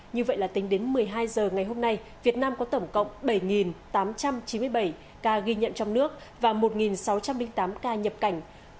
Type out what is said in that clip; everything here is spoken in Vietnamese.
như vậy là tính đến một mươi hai h ngày hôm nay việt nam có tổng cộng bảy tám trăm chín mươi bảy ca ghi nhận trong nước và một sáu trăm linh tám ca nhập cảnh